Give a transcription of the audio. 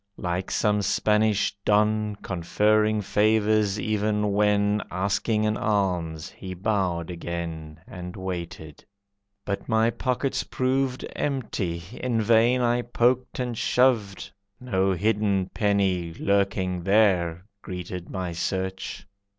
Like some Spanish don, Conferring favours even when Asking an alms, he bowed again And waited. But my pockets proved Empty, in vain I poked and shoved, No hidden penny lurking there Greeted my search.